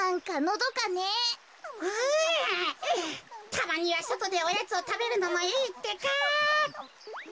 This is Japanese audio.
たまにはそとでおやつをたべるのもいいってか。